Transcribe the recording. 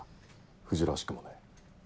藤らしくもねえ。